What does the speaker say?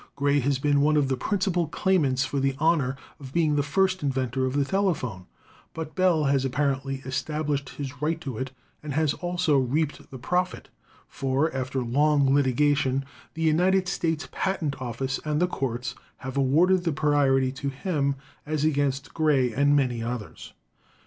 Gray has been one of the principal claimants for the honor of being the first inven tor of the telephone, but Bell has apparently established his right to it, and has also reaped the profit, for, after long litigation, the United States Patent Office and the courts 262 ELECTRICITY have awarded the priority to him as against Gray and many others.